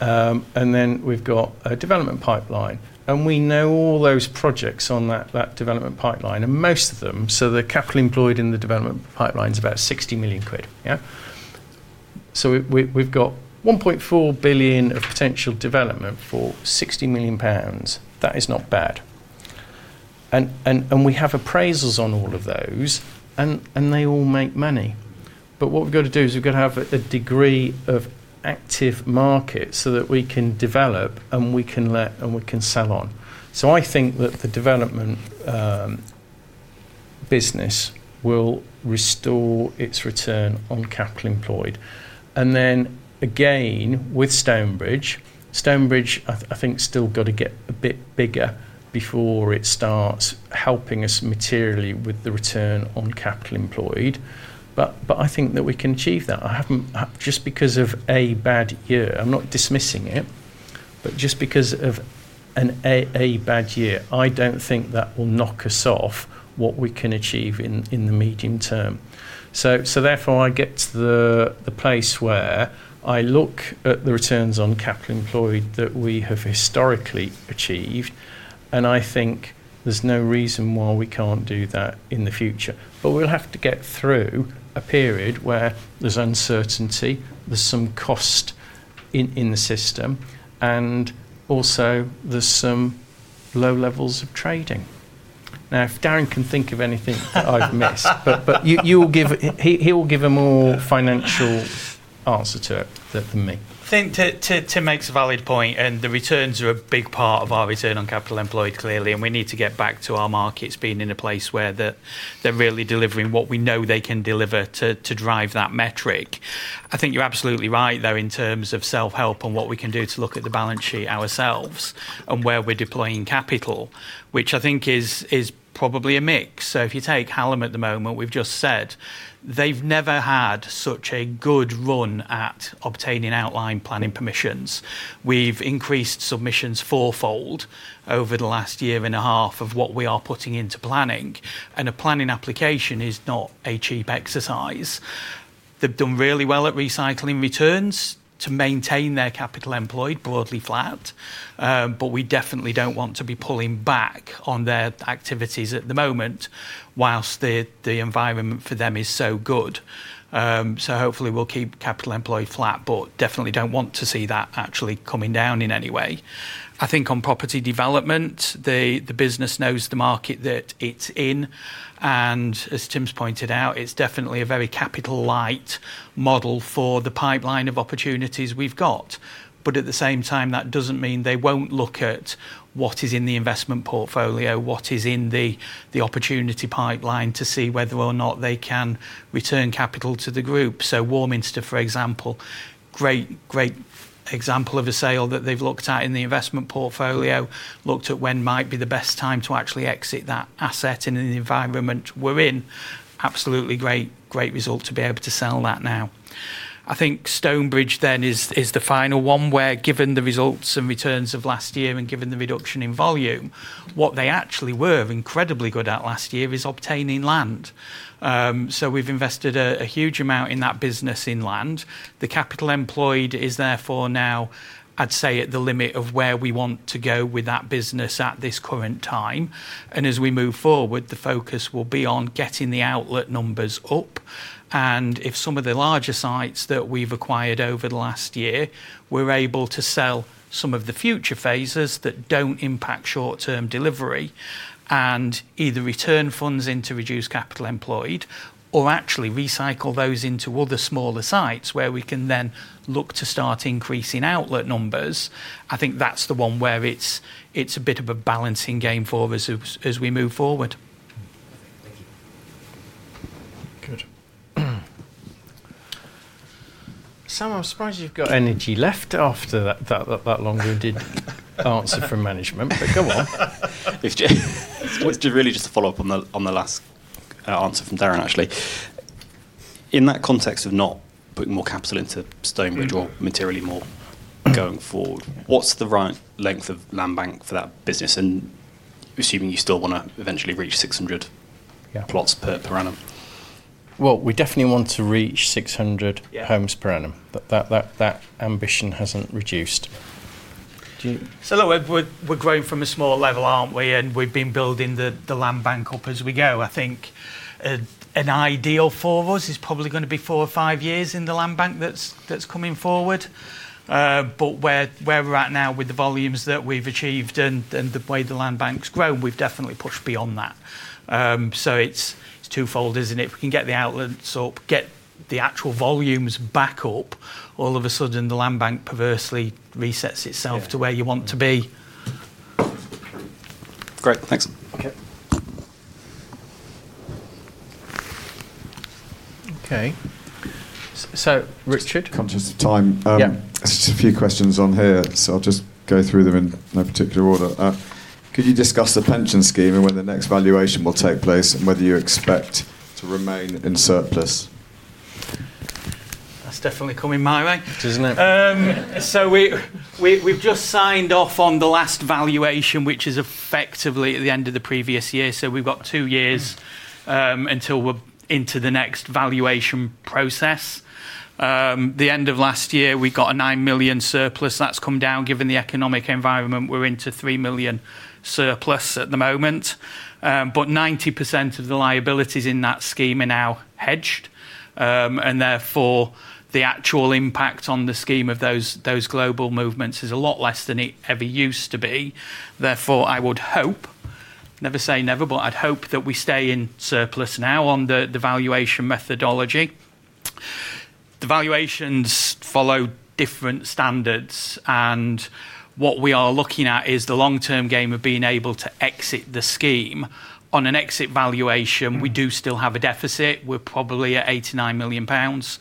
We've got a development pipeline, and we know all those projects on that development pipeline, and most of them, so the capital employed in the development pipeline is about 60 million quid, yeah? We've got 1.4 billion of potential development for 60 million pounds. That is not bad. We have appraisals on all of those, and they all make money. What we've got to do is we've got to have a degree of active market so that we can develop, and we can let, and we can sell on. I think that the development business will restore its return on capital employed. With Stonebridge, I think it has still got to get a bit bigger before it starts helping us materially with the return on capital employed. I think that we can achieve that. Just because of a bad year, I'm not dismissing it, but just because of a bad year, I don't think that will knock us off what we can achieve in the medium term. Therefore, I get to the place where I look at the returns on capital employed that we have historically achieved, and I think there's no reason why we can't do that in the future. We'll have to get through a period where there's uncertainty, there's some cost in the system, and also there's some low levels of trading. Now, if Darren can think of anything I've missed. You will give a more financial answer to it than me. I think Tim makes a valid point, and the returns are a big part of our return on capital employed, clearly, and we need to get back to our markets being in a place where they're really delivering what we know they can deliver to drive that metric. I think you're absolutely right, though, in terms of self-help and what we can do to look at the balance sheet ourselves and where we're deploying capital, which I think is probably a mix. If you take Hallam at the moment, we've just said they've never had such a good run at obtaining outline planning permissions. We've increased submissions fourfold over the last year and a half of what we are putting into planning, and a planning application is not a cheap exercise. They've done really well at recycling returns to maintain their capital employed broadly flat. We definitely don't want to be pulling back on their activities at the moment while the environment for them is so good. Hopefully we'll keep capital employed flat, but definitely don't want to see that actually coming down in any way. I think on property development, the business knows the market that it's in, and as Tim's pointed out, it's definitely a very capital light model for the pipeline of opportunities we've got. At the same time, that doesn't mean they won't look at what is in the investment portfolio, what is in the opportunity pipeline to see whether or not they can return capital to the group. Warminster, for example, great example of a sale that they've looked at in the investment portfolio. Looked at when might be the best time to actually exit that asset in the environment we're in. Absolutely great result to be able to sell that now. I think Stonebridge then is the final one where, given the results and returns of last year and given the reduction in volume, what they actually were incredibly good at last year is obtaining land. So we've invested a huge amount in that business in land. The capital employed is therefore now, I'd say, at the limit of where we want to go with that business at this current time. As we move forward, the focus will be on getting the outlet numbers up, and if some of the larger sites that we've acquired over the last year, we're able to sell some of the future phases that don't impact short-term delivery and either return funds in to reduce capital employed or actually recycle those into other smaller sites where we can then look to start increasing outlet numbers. I think that's the one where it's a bit of a balancing game for us as we move forward. Thank you. Good. Sam, I'm surprised you've got energy left after that long-winded answer from management. Go on. It's really just to follow up on the last answer from Darren, actually. In that context of not putting more capital into Stonebridge- Mm-hmm ...or materially more going forward, what's the right length of land bank for that business? Assuming you still wanna eventually reach 600- Yeah plots per annum. Well, we definitely want to reach 600- Yeah homes per annum. That ambition hasn't reduced. Do you? Look, we're growing from a small level, aren't we? We've been building the land bank up as we go. I think an ideal for us is probably gonna be four or five years in the land bank that's coming forward. But where we're at now with the volumes that we've achieved and the way the land bank's grown, we've definitely pushed beyond that. It's twofold, isn't it? If we can get the outlets up, get the actual volumes back up, all of a sudden the land bank perversely resets itself. Yeah to where you want to be. Great. Thanks. Okay. Okay. Richard? Conscious of time. Yeah. Just a few questions on here, so I'll just go through them in no particular order. Could you discuss the pension scheme and when the next valuation will take place, and whether you expect to remain in surplus? That's definitely coming my way. Isn't it? We've just signed off on the last valuation, which is effectively at the end of the previous year. We've got two years until we're into the next valuation process. The end of last year, we got a 9 million surplus. That's come down. Given the economic environment, we're into 3 million surplus at the moment. 90% of the liabilities in that scheme are now hedged. Therefore, the actual impact on the scheme of those global movements is a lot less than it ever used to be. Therefore, I would hope, never say never, but I'd hope that we stay in surplus now on the valuation methodology. The valuations follow different standards, and what we are looking at is the long-term game of being able to exit the scheme. On an exit valuation, we do still have a deficit. We're probably at 89 million pounds.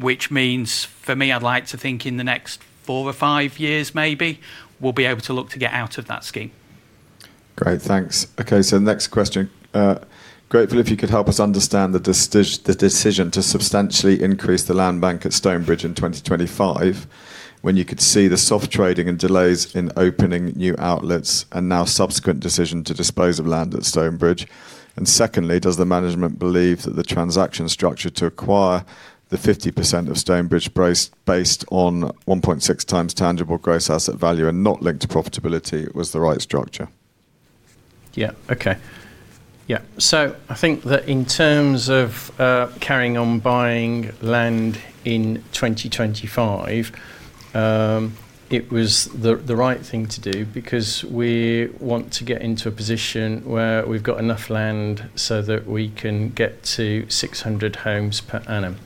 Which means for me, I'd like to think in the next 4 or 5 years, maybe, we'll be able to look to get out of that scheme. Great, thanks. Okay, so next question. Grateful if you could help us understand the decision to substantially increase the land bank at Stonebridge in 2025 when you could see the soft trading and delays in opening new outlets and now subsequent decision to dispose of land at Stonebridge. Secondly, does the management believe that the transaction structure to acquire the 50% of Stonebridge based on 1.6 times tangible gross asset value and not linked to profitability was the right structure? I think that in terms of carrying on buying land in 2025, it was the right thing to do because we want to get into a position where we've got enough land so that we can get to 600 homes per annum.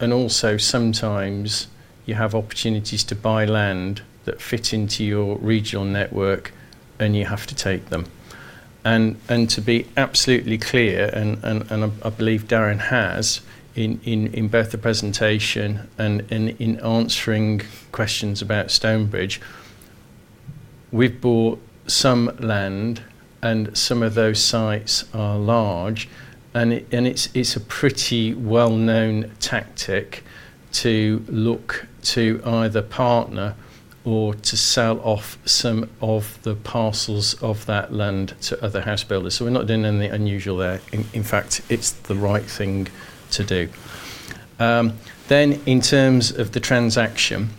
Also, sometimes you have opportunities to buy land that fit into your regional network, and you have to take them. To be absolutely clear, I believe Darren has in both the presentation and in answering questions about Stonebridge, we've bought some land, and some of those sites are large, and it's a pretty well-known tactic to look to either partner or to sell off some of the parcels of that land to other house builders. We're not doing anything unusual there. In fact, it's the right thing to do. In terms of the transaction,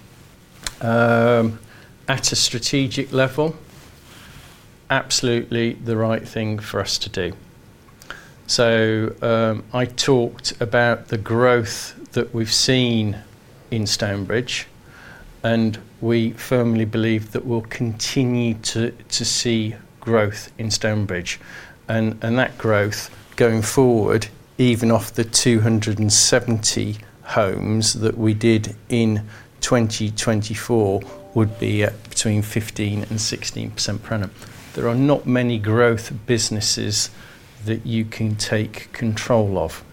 at a strategic level, absolutely the right thing for us to do. I talked about the growth that we've seen in Stonebridge, and we firmly believe that we'll continue to see growth in Stonebridge. That growth going forward, even off the 270 homes that we did in 2024, would be at between 15% and 16% per annum. There are not many growth businesses that you can take control of.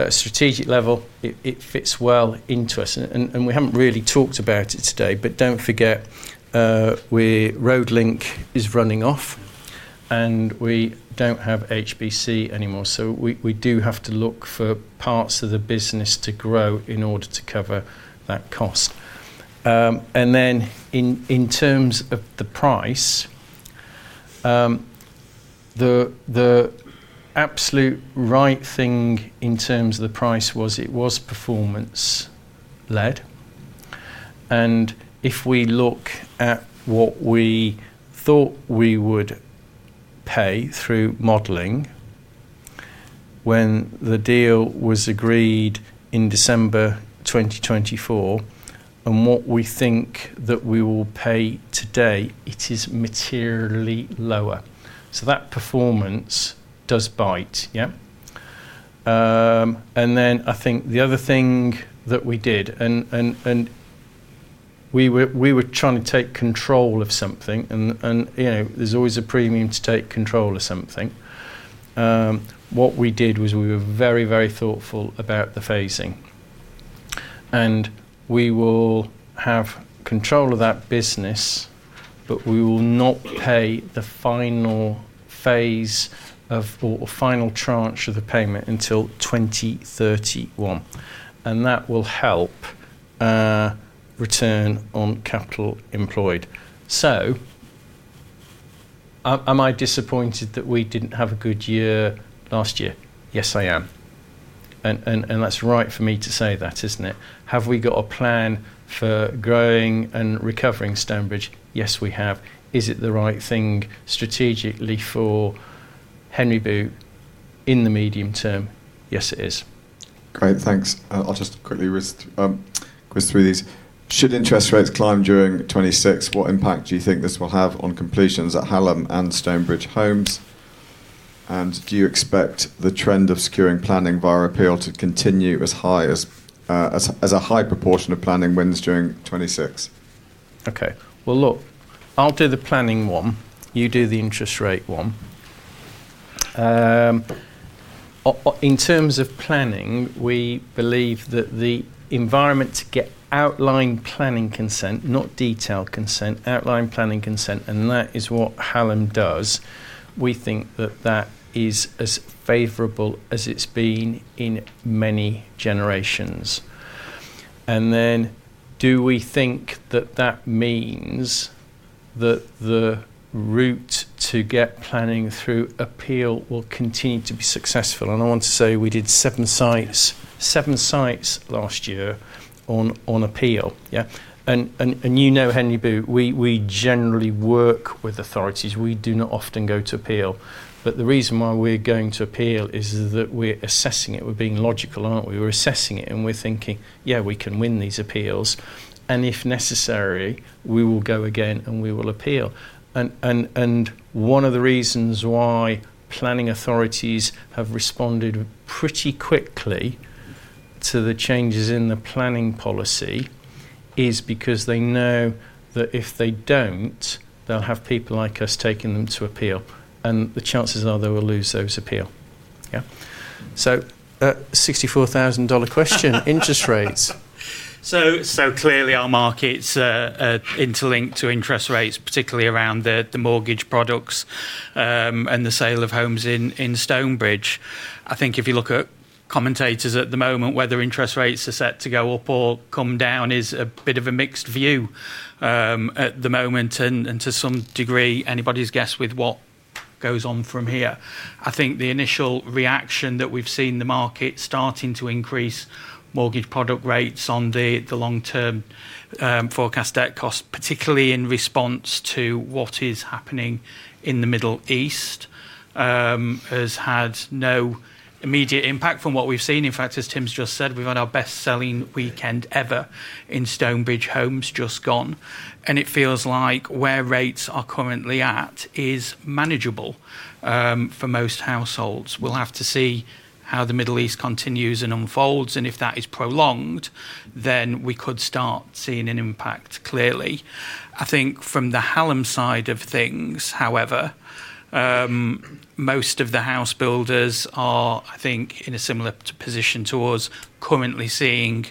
At a strategic level, it fits well into us. We haven't really talked about it today, but don't forget, Road Link is running off, and we don't have HBC anymore, so we do have to look for parts of the business to grow in order to cover that cost. In terms of the price, the absolute right thing in terms of the price was it was performance led. If we look at what we thought we would pay through modeling when the deal was agreed in December 2024, and what we think that we will pay today, it is materially lower. So that performance does bite. Yeah. I think the other thing that we did and we were trying to take control of something, you know, there's always a premium to take control of something. What we did was we were very, very thoughtful about the phasing. We will have control of that business, but we will not pay the final phase of or final tranche of the payment until 2031, and that will help return on capital employed. Am I disappointed that we didn't have a good year last year? Yes, I am. And that's right for me to say that, isn't it? Have we got a plan for growing and recovering Stonebridge? Yes, we have. Is it the right thing strategically for Henry Boot in the medium term? Yes, it is. Great. Thanks. I'll just quickly whisk through these. Should interest rates climb during 2026, what impact do you think this will have on completions at Hallam and Stonebridge Homes? Do you expect the trend of securing planning via appeal to continue as high as a high proportion of planning wins during 2026? Okay. Well, look, I'll do the planning one. You do the interest rate one. In terms of planning, we believe that the environment to get outline planning consent, not detailed consent, outline planning consent, and that is what Hallam does. We think that that is as favorable as it's been in many generations. Do we think that that means that the route to get planning through appeal will continue to be successful? I want to say we did seven sites last year on appeal. Yeah. You know Henry Boot, we generally work with authorities. We do not often go to appeal. The reason why we're going to appeal is that we're assessing it. We're being logical, aren't we? We're assessing it, and we're thinking, "Yeah, we can win these appeals, and if necessary, we will go again, and we will appeal." One of the reasons why planning authorities have responded pretty quickly to the changes in the planning policy is because they know that if they don't, they'll have people like us taking them to appeal, and the chances are they will lose those appeals. Yeah, $64,000 question, interest rates. Clearly our markets interlink to interest rates, particularly around the mortgage products, and the sale of homes in Stonebridge. I think if you look at commentators at the moment, whether interest rates are set to go up or come down is a bit of a mixed view at the moment, and to some degree, anybody's guess with what goes on from here. I think the initial reaction that we've seen the market starting to increase mortgage product rates on the long-term forecast debt cost, particularly in response to what is happening in the Middle East, has had no immediate impact from what we've seen. In fact, as Tim's just said, we've had our best-selling weekend ever in Stonebridge Homes just gone. It feels like where rates are currently at is manageable for most households. We'll have to see how the Middle East continues and unfolds, and if that is prolonged, then we could start seeing an impact, clearly. I think from the Hallam side of things, however, most of the house builders are, I think, in a similar position to us, currently seeing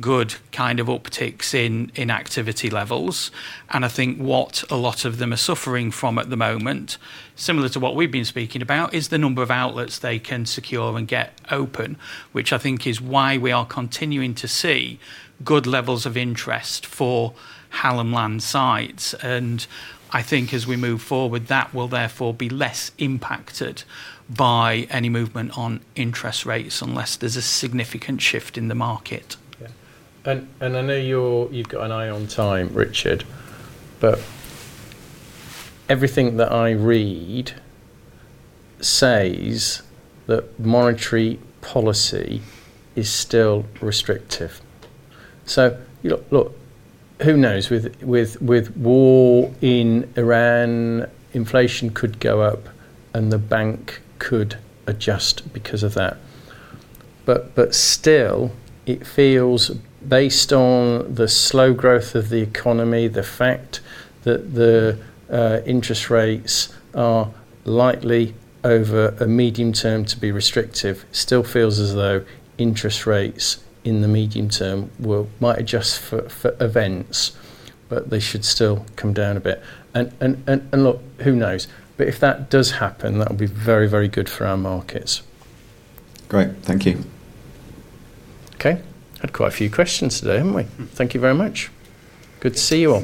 good kind of upticks in activity levels. I think what a lot of them are suffering from at the moment, similar to what we've been speaking about, is the number of outlets they can secure and get open, which I think is why we are continuing to see good levels of interest for Hallam Land sites. I think as we move forward, that will therefore be less impacted by any movement on interest rates, unless there's a significant shift in the market. I know you've got an eye on time, Richard, but everything that I read says that monetary policy is still restrictive. Look, who knows? With war in Iran, inflation could go up, and the bank could adjust because of that. Still, it feels based on the slow growth of the economy, the fact that the interest rates are likely over a medium term to be restrictive, still feels as though interest rates in the medium term might adjust for events, but they should still come down a bit. Look, who knows? If that does happen, that would be very, very good for our markets. Great. Thank you. Okay. Had quite a few questions today, haven't we? Thank you very much. Good to see you all.